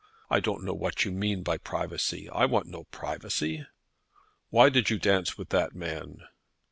I don't know what you mean by privacy. I want no privacy." "Why did you dance with that man?"